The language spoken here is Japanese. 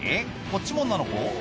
こっちも女の子？